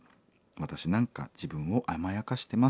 私なんか自分を甘やかしてます」。